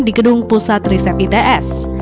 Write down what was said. kami siang resmi diluncurkan